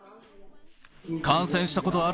感染したことある？